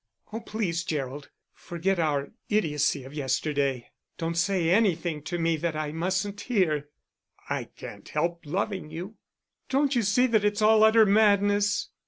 "Oh, please, Gerald, forget our idiocy of yesterday. Don't say anything to me that I mustn't hear." "I can't help loving you." "Don't you see that it's all utter madness!"